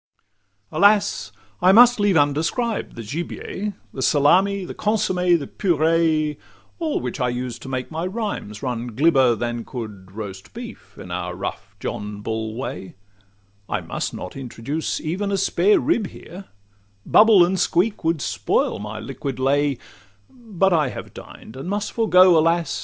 Alas! I must leave undescribed the gibier, The salmi, the consomme, the puree, All which I use to make my rhymes run glibber Than could roast beef in our rough John Bull way: I must not introduce even a spare rib here, 'Bubble and squeak' would spoil my liquid lay: But I have dined, and must forego, Alas!